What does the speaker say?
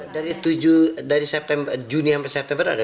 dari juni sampai september ada